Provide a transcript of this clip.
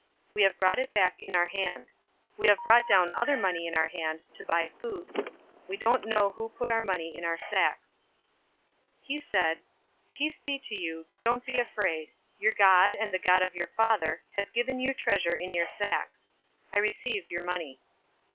We have brought it back in our hand. 043:022 We have brought down other money in our hand to buy food. We don't know who put our money in our sacks." 043:023 He said, "Peace be to you. Don't be afraid. Your God, and the God of your father, has given you treasure in your sacks. I received your money."